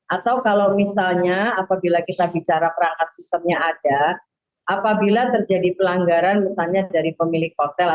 atau kalau misalnya apabila kita bicara perangkat sistemnya ada apabila terjadi pelanggaran misalnya dari pemilik hotel